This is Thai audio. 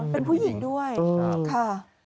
เป็นผู้หญิงด้วยค่ะ